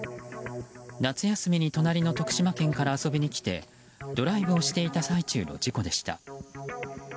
夏休みに隣の徳島県から遊びに来てドライブをしていた最中の事故でした。